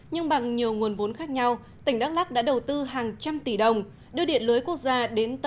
nhưng bằng nhiều nguồn vốn khác nhau tỉnh đắk lắk đã đầu tư hàng trăm tỷ đồng đưa điện lưới quốc gia đến thành phố